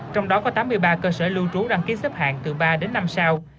trong đó có tám mươi ba cơ sở lưu trú đăng ký xếp hạng từ ba đến năm sao